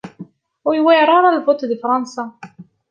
Ur yuwir ara lvuṭ di Fransa.